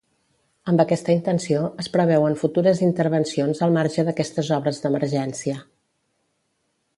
Amb aquesta intenció, es preveuen futures intervencions al marge d'aquestes obres d'emergència.